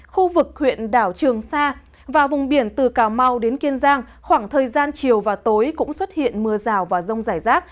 khu vực huyện đảo trường sa và vùng biển từ cà mau đến kiên giang khoảng thời gian chiều và tối cũng xuất hiện mưa rào và rông rải rác